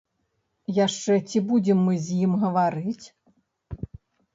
Яшчэ ці будзем мы з ім гаварыць.